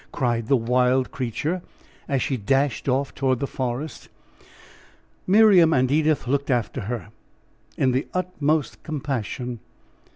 cried the wild creature, as she dashed off toward the forest. Marian and Edith looked after her, in the utmost compassion.